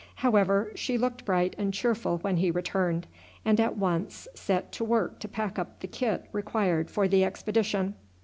However, she looked bright and cheerful when he returned, and at once set to work to pack up the kit required for the expedition.